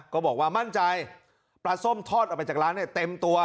ก็บอกว่ามั่นใจปลาส้มทอดออกไปจากร้านเนี่ยเต็มตัว